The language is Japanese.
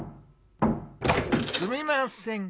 すみません